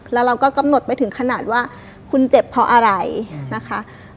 แล้วเราก็กำหนดไปถึงขนาดว่าคุณเจ็บเพราะอะไรนะคะ